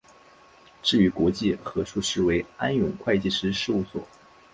至于国际核数师为安永会计师事务所。